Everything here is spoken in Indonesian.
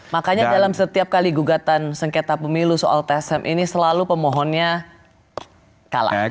makanya dalam setiap kali gugatan sengketa pemilu soal tsm ini selalu pemohonnya kalah